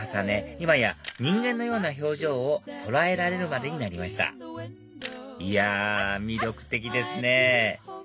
今や人間のような表情を捉えられるまでになりましたいや魅力的ですね